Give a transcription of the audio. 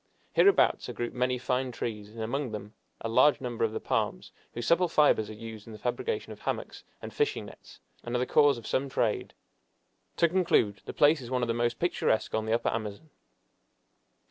Hereabouts are grouped many fine trees, and among them a large number of the palms, whose supple fibers are used in the fabrication of hammocks and fishing nets, and are the cause of some trade. To conclude, the place is one of the most picturesque on the Upper Amazon.